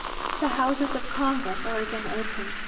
The houses of Congress are again opened.